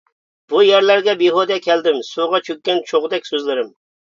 بۇ يەرلەرگە بىھۇدە كەلدىم، سۇغا چۆككەن چوغدەك سۆزلىرىم.